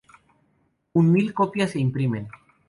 Un mil copias se imprimen.